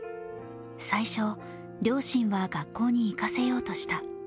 最初、両親は学校に行かせようとした。